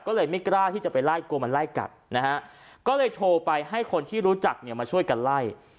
ก็เลยไม่กล้าที่จะไปไล่กลัวมันไล่กัดนะฮะก็เลยโทรไปให้คนที่รู้จักเนี่ยมาช่วยกันไล่